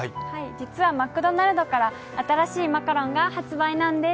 実はマクドナルドから新しいマカロンが発売なんです。